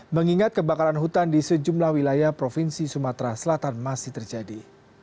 mengingat kebakaran hutan di sejumlah wilayah provinsi sumatera selatan masih terjadi